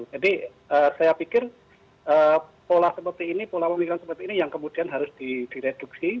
jadi saya pikir pola pemikiran seperti ini yang kemudian harus direduksi